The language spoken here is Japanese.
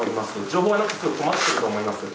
情報がなくて困ってると思います。